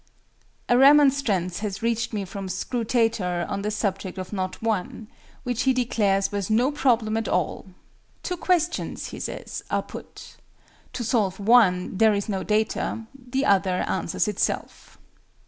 A remonstrance has reached me from SCRUTATOR on the subject of KNOT I., which he declares was "no problem at all." "Two questions," he says, "are put. To solve one there is no data: the other answers itself."